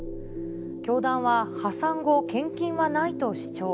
教団は破産後、献金はないと主張。